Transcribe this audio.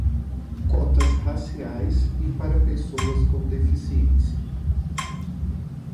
Cotas raciais e para pessoas com deficiência